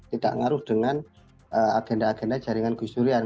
tidak ngaruh dengan agenda agenda jaringan gusdurian